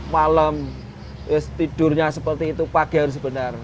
malam tidurnya seperti itu pagi harus benar